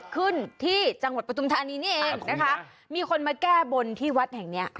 ขึ้นที่จังหวัดปศทานีเนี่ยเองมีคนมาแก้บนนี่ที่วัดแห่งนี้